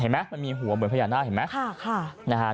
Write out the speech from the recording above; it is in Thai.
มันมีหัวเหมือนพญานาคเห็นไหม